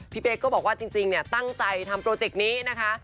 พี่เป๊กก็บอกว่าจริงเนี่ยตั้งใจทำโปรเจกต์นี้นะคะ